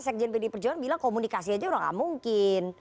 sekjen pdi perjuangan bilang komunikasi aja udah gak mungkin